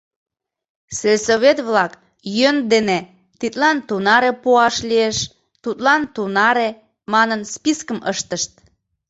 Сельсовет-влак йӧн дене, «тидлан тунаре пуаш лиеш, тудлан — тунаре» манын, спискым ыштышт.